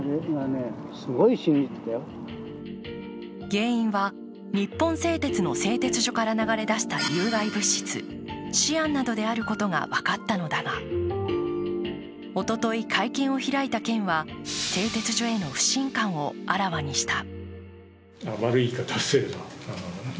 原因は日本製鉄の製鉄所から流れ出した有害物質シアンなどであることが分かったのだが、おととい会見を開いた県は製鉄所への不信感をあらわにした。